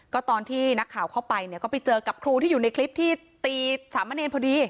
ก็ตอนที่นักข่าวเข้าไปเนี่ยก็ไปเจอกับครูที่อยู่ในคลิปที่ตีสามะเนรพอดี